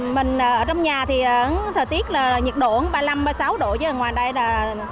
mình ở trong nhà thì thời tiết là nhiệt độ ba mươi năm ba mươi sáu độ chứ ngoài đây là